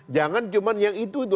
jangan cuma yang itu